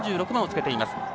３６番をつけています。